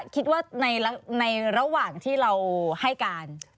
คิดว่าในระหว่างที่เราให้การ